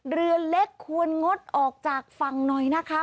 เรือเล็กควรงดออกจากฝั่งหน่อยนะคะ